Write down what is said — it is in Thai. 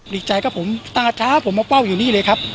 ดีใจครับผมตาช้าผมมาเป้าอยู่นี่เลยครับ